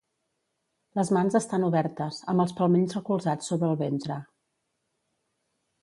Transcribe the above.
Les mans estan obertes, amb els palmells recolzats sobre el ventre.